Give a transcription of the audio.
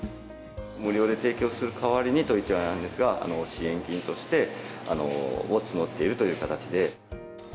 無料で提供する代わりにといってはなんですが、支援金として募っているという形で。